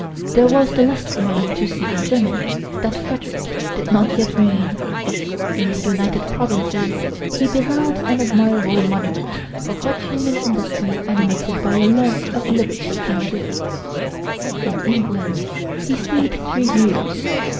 There was the less for him to see in Germany that Frederick did not yet reign. In the United Provinces he beheld an admirable monument of what human industry animated by a love of liberty can do. In England he stayed three years.